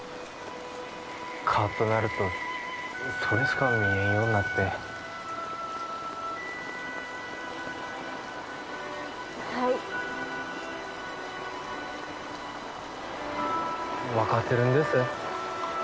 カーッとなるとそれしか見えんようになってはい分かってるんです